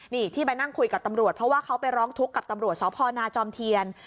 นี่ที่ไปนั่งคุยกับตำรวจเพราะว่าเขาไปร้องทุกข์กับตำรวจสพนาจอมเทียน